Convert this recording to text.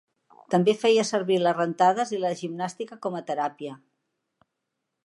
També feia servir les rentades i la gimnàstica com a teràpia.